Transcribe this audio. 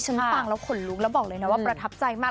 ดิฉันฟังแล้วขนรุ้งแล้วบอกเลยนะว่าปฎาปใจมาก